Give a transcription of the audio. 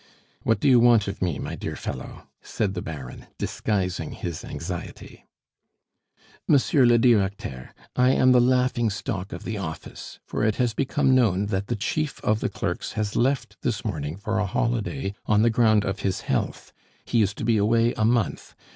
"What do you want of me, my dear fellow?" said the Baron, disguising his anxiety. "Monsieur le Directeur, I am the laughing stock of the office, for it has become known that the chief of the clerks has left this morning for a holiday, on the ground of his health. He is to be away a month.